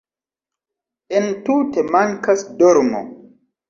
Entute mankas dormo